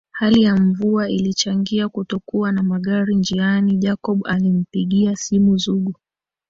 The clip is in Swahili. Hali ya mvua ilichangia kutokuwa na magari njiani Jacob alimpigia simu Zugu